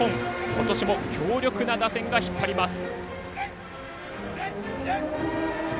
今年も強力な打線が引っ張ります。